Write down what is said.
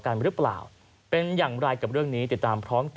การรึเปล่าเป็นอย่างไรก็เรื่องนี้อยาก